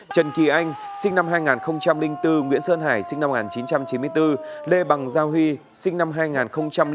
trần kỳ anh sinh năm hai nghìn bốn nguyễn sơn hải sinh năm một nghìn chín trăm chín mươi bốn lê bằng giao huy sinh năm hai nghìn bốn